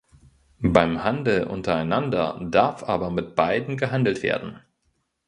Beim Handel untereinander darf aber mit beiden gehandelt werden.